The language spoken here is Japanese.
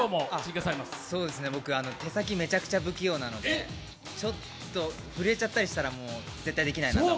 僕、手先、めちゃくちゃ不器用なので、ちょっと震えちゃったりしたらもう絶対できないなと思って。